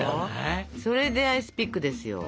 それでアイスピックですよ。